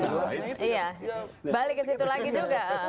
iya balik ke situ lagi juga